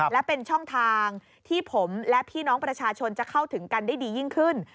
และเป็นช่องทางที่ผมและพี่น้องประชาชนจะเข้าถึงกันได้ดียิ่งขึ้น